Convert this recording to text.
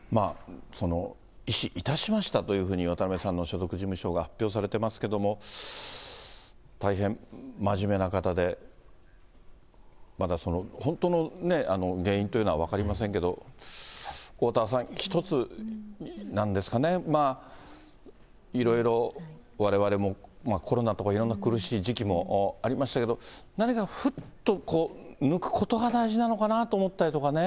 縊死いたしましたというふうに渡辺さんの所属事務所が発表されてますけども、大変、真面目な方で、まだ本当の原因というのは分かりませんけれども、おおたわさん、一つ、なんですかね、いろいろ、われわれも、コロナとかいろんな苦しい時期もありましたけれども、何かふっと抜くことが大事なのかなと思ったりね。